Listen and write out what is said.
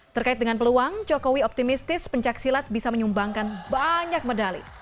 terkait dengan peluang jokowi optimistis pencaksilat bisa menyumbangkan banyak medali